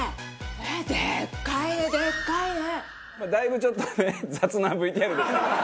だいぶちょっとね雑なＶＴＲでしたけども。